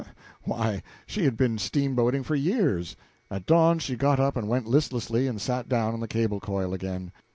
Why, she had been steamboating for years. At dawn she got up and went listlessly and sat down on the cable coil again.